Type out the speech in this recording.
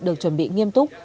được chuẩn bị nghiêm túc